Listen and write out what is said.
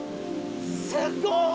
すごい！